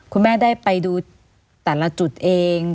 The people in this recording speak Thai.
คุณแม่ได้ไปดูแต่ละจุดเอง